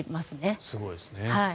すごいですね。